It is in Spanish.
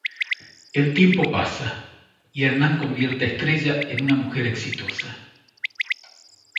El tiempo pasa y Hernán convierte a Estrella en una mujer exitosa.